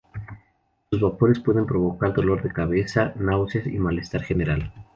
Sus vapores pueden provocar dolor de cabeza, náuseas y malestar general.